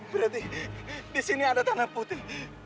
berarti di sini ada tanah putih